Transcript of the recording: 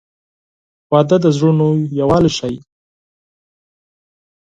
• واده د زړونو یووالی ښیي.